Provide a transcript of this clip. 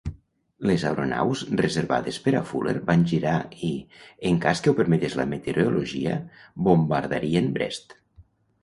Les aeronaus reservades per a Fuller van girar i, en cas que ho permetés la meteorologia, bombardarien Brest.